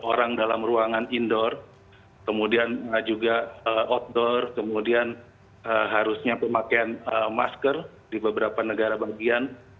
orang dalam ruangan indoor kemudian juga outdoor kemudian harusnya pemakaian masker di beberapa negara bagian